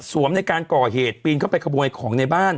สวมในการก่อเหตุปีนเข้าไปขบวนไอของในบ้าน